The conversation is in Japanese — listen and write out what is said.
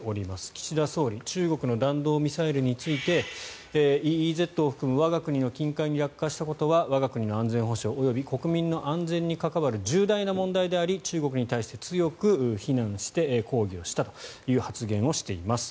岸田総理中国の弾道ミサイルについてＥＥＺを含む我が国の近海に落下したことは我が国の安全保障及び国民の安全に関わる重大な問題であり中国に対して強く非難して抗議したという発言をしています。